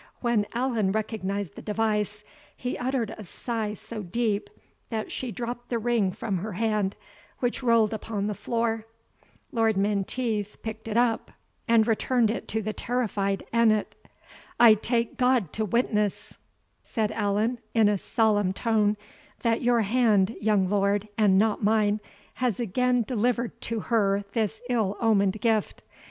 When Allan recognised the device, he uttered a sigh so deep, that she dropped the ring from her hand, which rolled upon the floor. Lord Menteith picked it up, and returned it to the terrified Annot. "I take God to witness," said Allan, in a solemn tone, "that your hand, young lord, and not mine, has again delivered to her this ill omened gift.